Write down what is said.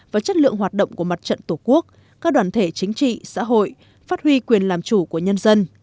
và chất lượng hoạt động của mặt trận tổ quốc các đoàn thể chính trị xã hội phát huy quyền làm chủ của nhân dân